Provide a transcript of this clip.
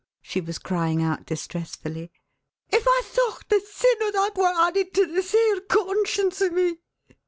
she was crying out distressfully. "If I thoct the sin o' that wad added to the sair conscience o' me."